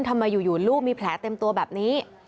ทำไมอยู่ลูกมีแผลเต็มตัวแบบนี้